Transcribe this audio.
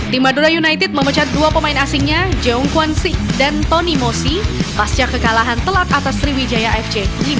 tim madura united memecat dua pemain asingnya jong kwan sik dan tony mosi pasca kekalahan telat atas sriwijaya fc dua